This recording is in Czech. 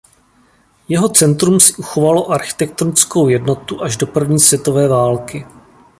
Jeho centrum si uchovalo architektonickou jednotu až do první světové války.